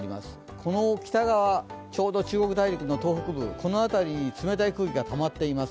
この北側、ちょうど中国大陸の東北部、冷たい空気がたまっています。